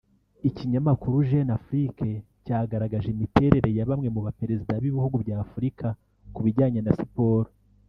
Ikinyamakuru Jeune Afrique cyagaragaje imiterere ya bamwe mu baperezida b’ibihugu bya Afurika ku bijyanye na siporo